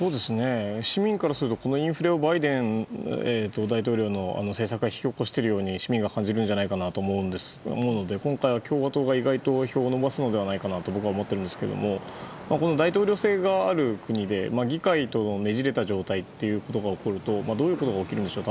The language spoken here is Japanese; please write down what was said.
市民からするとこのインフレをバイデン大統領の政策が引き起こしているように市民が感じるんじゃないかと思うので今回は共和党が意外と票を伸ばすのではないかと僕は思っているんですがこの大統領制がある国で議会とねじれた状態というのが起こるとどういうことが起きるんでしょう。